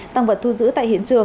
tăng vật thu giữ tại hiện trường